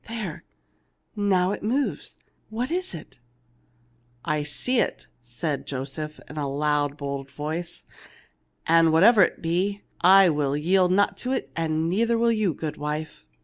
There ! now it moves. What is it ?" "I see it/ 5 said Joseph, in a loud, bold voice. "An' whatever it be, I will yield not to it ; an' neither will you, goodwife."